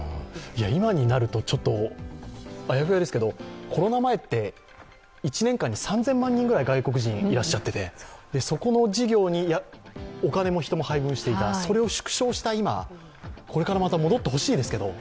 今になるとちょっとあやふやですけどコロナ前って、１年間に３０００万人くらい外国人いらっしゃっててそこの事業にお金も人も配分していた、それを縮小した今、これからまた戻ってほしいですけど。